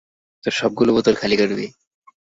সবগুলো বোতল খালি করবে।